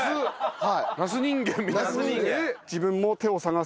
はい。